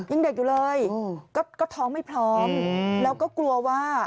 ยังเด็กอยู่เลยก็ท้องไม่พร้อมแล้วก็กลัวว่า